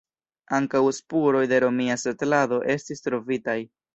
Ankaŭ spuroj de romia setlado estis trovitaj.